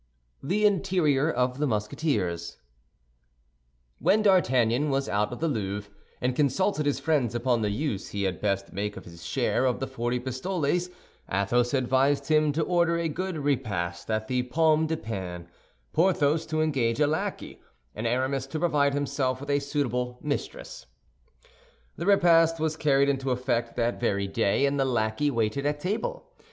THE INTERIOR OF THE MUSKETEERS When D'Artagnan was out of the Louvre, and consulted his friends upon the use he had best make of his share of the forty pistoles, Athos advised him to order a good repast at the Pomme de Pin, Porthos to engage a lackey, and Aramis to provide himself with a suitable mistress. The repast was carried into effect that very day, and the lackey waited at table.